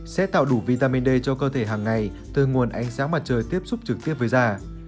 sẽ tạo đủ vitamin d cho cơ thể hàng ngày từ nguồn ánh sáng mặt trời tiếp xúc trực tiếp với da